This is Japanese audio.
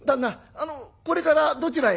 あのこれからどちらへ？」。